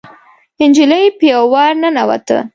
نجلۍ په يوه وره ننوته.